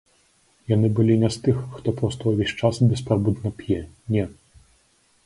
Яны былі не з тых, хто проста ўвесь час беспрабудна п'е, не.